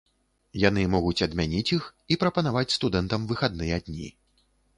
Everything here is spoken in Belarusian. Яны могуць адмяніць іх і прапанаваць студэнтам выхадныя дні.